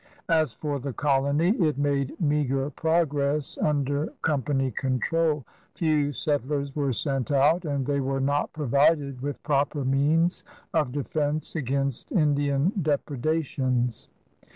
As for the colony, it made meager progress under Company control: few settlers were sent out; and they were not provided with proper means of defense against Indian depredations.